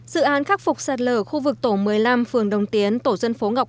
dự án khắc phục sạt lở khu vực tổ một mươi năm phường đồng tiến tổ dân phố ngọc